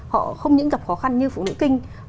họ không những gặp khó khăn như phụ nữ kinh